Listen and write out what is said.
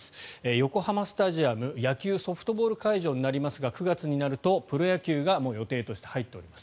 横浜スタジアム野球・ソフトボール会場ですが９月になるとプロ野球がもう予定として入っています。